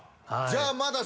じゃあまだ。